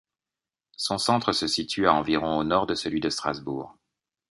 Son centre se situe à environ au nord de celui de Strasbourg.